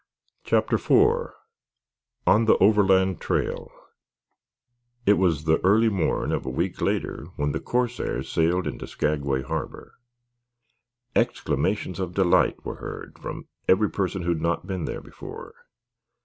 CHAPTER IV ON THE OVERLAND TRAIL It was the early morn of a week later when the "Corsair" sailed into Skagway harbor. Exclamations of delight were heard from every person who had not been there before.